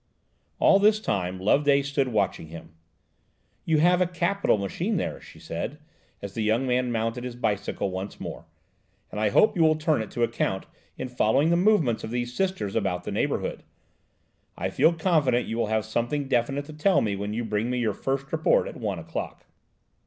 All this time Loveday stood watching him. "You have a capital machine there," she said, as the young man mounted his bicycle once more, "and I hope you will turn it to account in following the movements of these Sisters about the neighbourood. I feel confident you will have something definite to tell me when you bring me your first report at one o'clock."